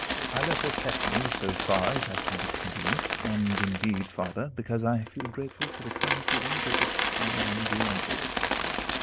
I let her pet me, so far as I find it convenient, and, indeed, farther, because I feel grateful for the kind feelings of which I am the object.